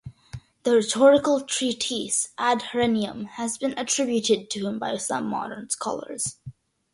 The rhetorical treatise "Ad Herennium" has been attributed to him by some modern scholars.